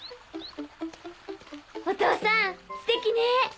お父さんすてきね！